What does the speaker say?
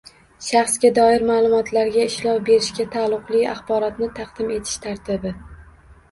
Shaxsga doir ma’lumotlarga ishlov berishga taalluqli axborotni taqdim etish tartibi